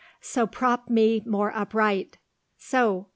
So prop me more upright! So!